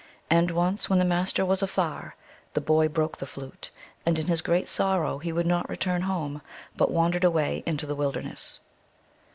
And once, when the Master was afar, the boy broke the flute, and in his great sorrow he would not return home, but wandered away into the wil derness.